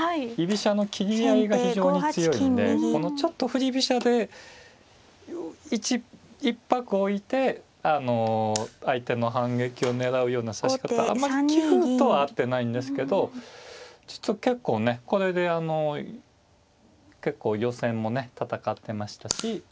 居飛車の斬り合いが非常に強いのでこのちょっと振り飛車で一拍置いて相手の反撃を狙うような指し方あんまり棋風とは合ってないんですけど実は結構ねこれで結構予選もね戦ってましたし